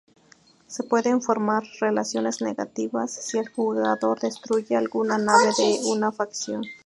Se pueden formar relaciones negativas si el jugador destruye alguna nave de una facción.